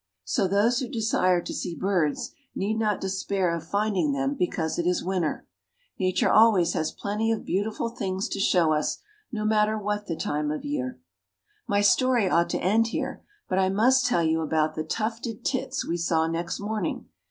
So those who desire to see birds need not despair of finding them because it is winter. Nature always has plenty of beautiful things to show us, no matter what the time of year. My story ought to end here, but I must tell you about the tufted "tits" we saw next morning.